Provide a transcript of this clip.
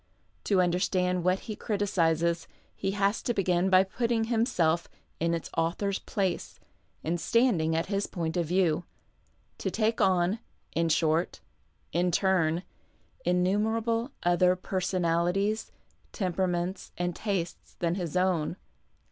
To understand what he criticizes he has to begin by putting himself in its author's place and standing at his point of view — to take on, in short, in turn, innumerable other personalities, temperaments, and tastes than his own.